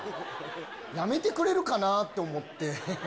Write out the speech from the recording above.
やめてくれるかなって思って。